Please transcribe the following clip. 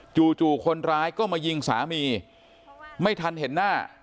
จู่คนร้ายก็มายิงสามีไม่ทันเห็นหน้า